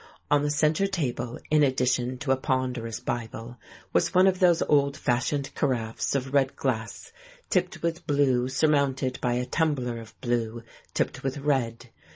On the centre table, in addition to a ponderous Bible, was one of those old fashioned carafes of red glass tipped with blue surmounted by a tumbler of blue tipped with red.